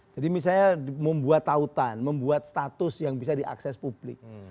jadi misalnya membuat tautan membuat status yang bisa diakses publik